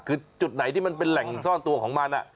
คือจุดไหนที่มันเป็นแหล่งซ่อนตัวของมัน